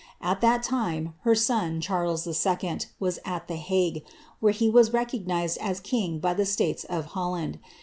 At that time her son, Charles II., was at the Hague, where he was recog nised as king by the states of Holland.